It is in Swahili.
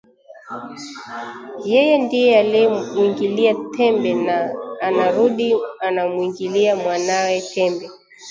Yeye ndiye aliyemwingilia tembe na anarudi anamwingilia mwanawe tembe